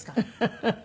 フフフフ。